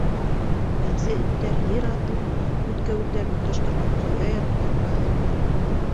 Бәғзе эттәр ер аҫты үткәүелдәрен тоташтырған ҡая ярыҡтарына ла ҡоланы.